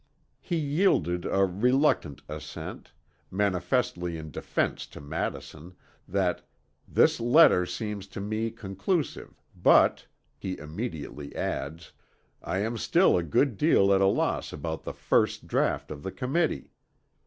He yielded a reluctant assent, manifestly in deference to Madison, that "this letter seems to me conclusive, but" (he immediately adds), "I am still a good deal at a loss about the first draught of the Committee.